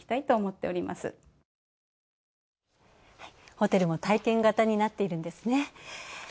ホテルも体験型になっているんですね。